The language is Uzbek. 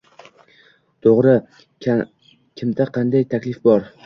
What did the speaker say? to’g’ri kimda qanday taklif bor.